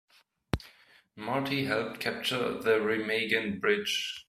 Marty helped capture the Remagen Bridge.